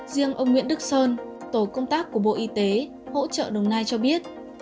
riêng ông nguyễn đức sơn tổ công tác của bộ y tế hỗ trợ đồng nai cho biết